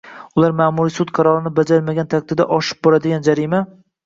ular ma’muriy sud qarorini bajarmagan taqdirda “oshib boradigan” jarima